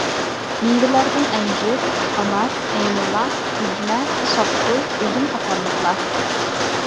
مېۋىلەردىن ئەنجۈر، ئانار، ئەينۇلا، ئۈجمە، شاپتۇل، ئۈزۈم قاتارلىقلار.